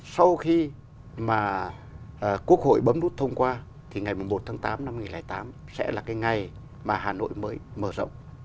sau khi mà quốc hội bấm nút thông qua thì ngày một tháng tám năm hai nghìn tám sẽ là cái ngày mà hà nội mới mở rộng